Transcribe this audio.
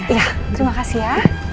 iya terima kasih ya